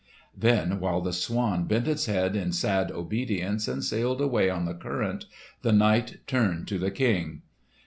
Then while the swan bent its head in sad obedience and sailed away on the current, the knight turned to the King.